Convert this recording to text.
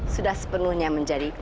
sudah sepenuhnya menjadi